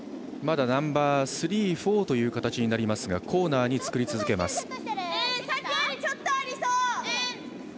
まだナンバースリーフォーという形になりますがコーナーに作り続けます。